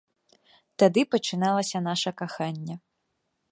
Тады пачыналася наша каханне.